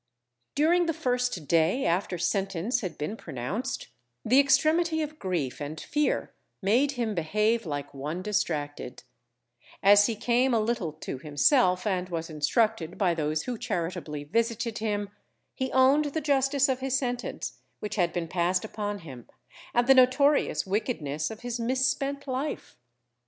During the first day after sentence had been pronounced, the extremity of grief and fear made him behave like one distracted; as he came a little to himself, and was instructed by those who charitably visited him, he owned the justice of his sentence, which had been passed upon him, and the notorious wickedness of his misspent life.